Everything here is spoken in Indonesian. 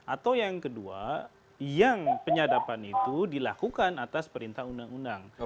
atau yang kedua yang penyadapan itu dilakukan atas perintah undang undang